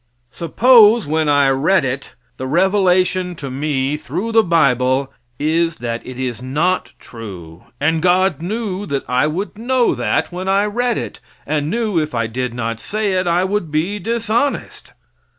Suppose when I read it, the revelation to me, through the bible, is that it is not true, and God knew that I would know that when I did read it, and knew, if I did not say it, I would be dishonest.